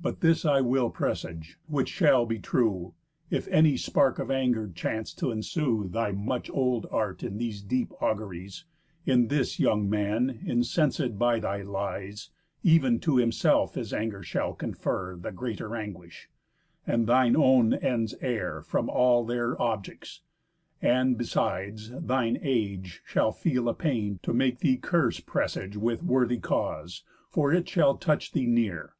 But this I will presage, which shall be true: If any spark of anger chance t' ensue Thy much old art in these deep auguries, In this young man incenséd by thy lies, Ev'n to himself his anger shall confer The greater anguish, and thine own ends err From all their objects; and, besides, thine age Shall feel a pain, to make thee curse presage With worthy cause, for it shall touch thee near.